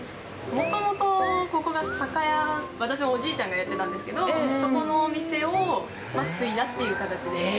もともと、ここが酒屋、私のおじいちゃんがやってたんですけど、そこのお店を継いだっていう形で。